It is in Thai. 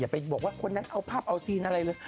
ไปบอกว่าคนนั้นเอาภาพเอาซีนอะไรเลย